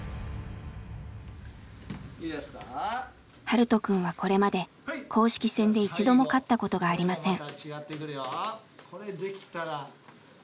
ハルトくんはこれまで公式戦で一度も勝ったことがありません。